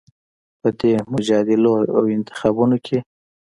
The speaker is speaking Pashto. په دې مجادلو او انتخابونو کې